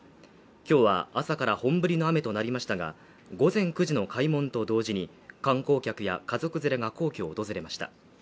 今日は朝から本降りの雨となりましたが、午前９時の開門と同時に、観光客や家族連れが皇居を訪れました。